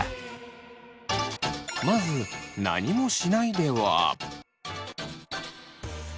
まず「何もしない」では。